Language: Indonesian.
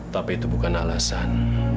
tapi itu bukan alasan